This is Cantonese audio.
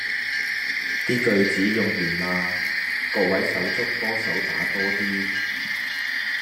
啲句子用完啦，各位手足幫手打多啲